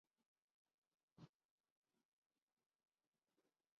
پہلے ٹیسٹ میں Zimbabwe team اپنی ناتجربہ کاری کے باعث شکست کھاگئی ۔